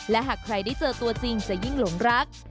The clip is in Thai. และหากใครได้เจอตัวจริงจะยิ่งหลงรัก